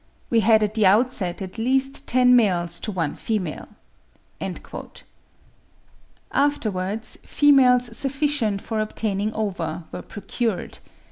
We had at the outset at least ten males to one female." Afterwards females sufficient for obtaining ova were procured.